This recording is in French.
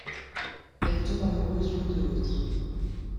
Elles tombent amoureuses l'une de l'autre.